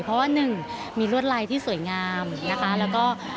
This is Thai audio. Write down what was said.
เพราะว่าหนึ่งมีรวดลายที่สวยงามนะคะแล้วก็